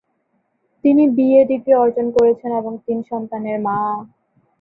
তিনি BA degree অর্জন করেছেন এবং তিন সন্তানের মা।